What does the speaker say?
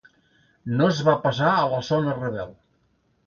No es va passar a la zona rebel.